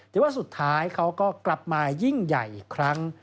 แต่ว่าสุดท้ายเขาก็กลับมายิ่งใหญ่อีกครั้ง